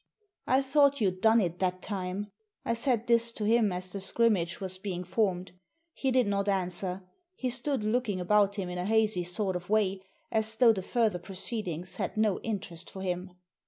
" I thought you'd done it that time." I said this to him as the scrimmage was being formed. He did not answer. He stood looking about him in a hazy sort of way, as though the further proceedings had no interest for him.